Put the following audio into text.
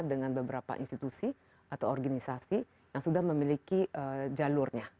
dengan beberapa institusi atau organisasi yang sudah memiliki jalurnya